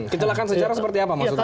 kecelakaan sejarah seperti apa maksud anda